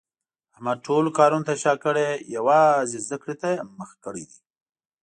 احمد ټولو کارونو ته شاکړې یووازې زده کړې ته یې مخه کړې ده.